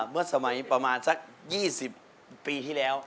เมื่อสมัยประมาณสัก๒๐ปีที่แล้ว